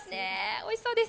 おいしそうです。